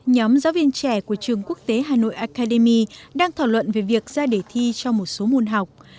nhóm giáo viên trẻ của trường quốc tế hà nội academy đang thảo luận về việc ra đề thi cho một số môn học